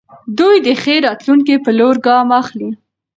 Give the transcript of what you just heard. دوی د ښې راتلونکې په لور ګام اخلي.